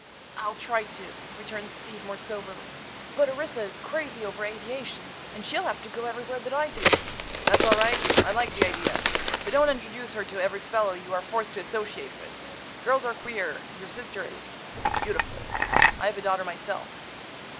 "I'll try to," returned Steve, more soberly. "But Orissa is crazy over aviation, and she'll have to go everywhere that I do." "That's all right; I like the idea. But don't introduce her to every fellow you are forced to associate with. Girls are queer, and your sister is—beautiful. I've a daughter myself."